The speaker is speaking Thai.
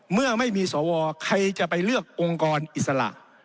เมื่อไม่มีสวใครจะไปเลือกองค์กรอิสระ